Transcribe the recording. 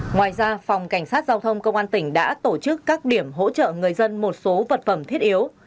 ngoài ra phòng cảnh sát giao thông công an tỉnh đã tổ chức các điểm hỗ trợ người dân một số vật phẩm thiết yếu